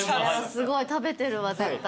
すごい食べてるわ絶対に。